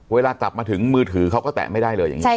เวลากลับมาถึงมือถือเขาก็แตะไม่ได้เลยอย่างนี้